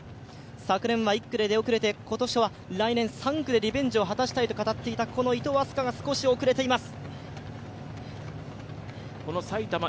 昨年は１区で出遅れて来年は３区でリベンジを果たしたいと言っていたこの伊東明日香が少し遅れています。